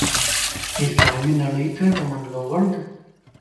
اسلامي نړۍ ته د منلو وړ ده.